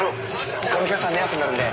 他のお客さんに迷惑になるんで。